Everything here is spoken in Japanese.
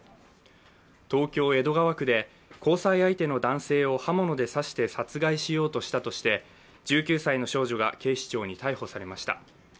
東京・江戸川区で交際相手の男性を刃物で刺して殺害しようとしたとして１９歳の少女が警視庁に逮捕されました。